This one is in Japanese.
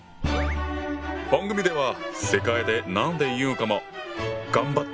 番組では世界で何て言うのかも頑張って調べたぞ！